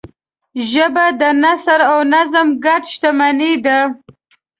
ژبه د نثر او نظم ګډ شتمنۍ ده